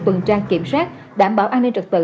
tuần tra kiểm soát đảm bảo an ninh trật tự